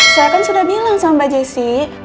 saya kan sudah bilang sama mbak jessi